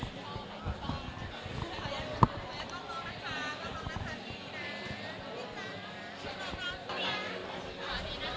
ผ่องกลางซ้ายด้วยครับ